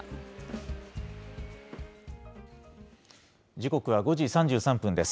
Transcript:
時刻は５時３３分です。